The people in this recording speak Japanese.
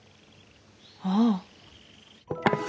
ああ。